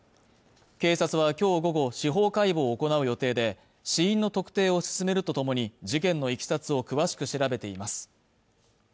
警察はきょう午後司法解剖を行う予定で死因の特定を進めるとともに事件のいきさつを詳しく調べています